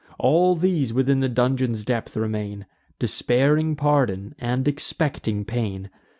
All these within the dungeon's depth remain, Despairing pardon, and expecting pain.